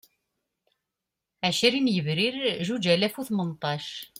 Ɛecrin Yebrir Zuǧ alas u Tmenṭac